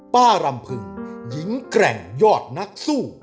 รำพึงหญิงแกร่งยอดนักสู้